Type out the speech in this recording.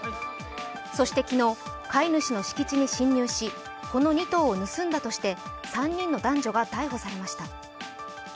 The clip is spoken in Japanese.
そして昨日、飼い主の敷地に侵入しこの２頭を盗んだとして３人の男女が逮捕されました。